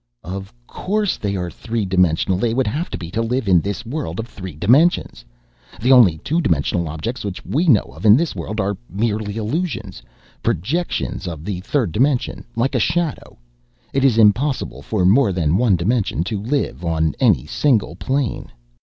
"Of course they are three dimensional. They would have to be to live in this world of three dimensions. The only two dimensional objects which we know of in this world are merely illusions, projections of the third dimension, like a shadow. It is impossible for more than one dimension to live on any single plane.